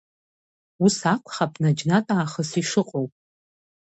Ус акәхап наџьнатә аахыс ишыҟоу.